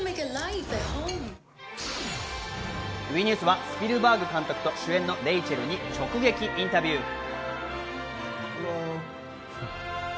ＷＥニュースはスピルバーグ監督と主演のレイチェルに直撃インタビュー。